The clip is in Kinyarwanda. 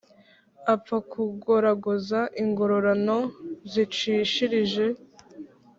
apfa kugoragoza ingororano zicishirije,